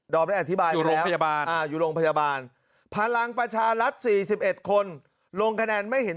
ดอมได้อธิบายอยู่โรงพยาบาลพลังประชารัฐ๔๑คนลงคะแนนไม่เห็น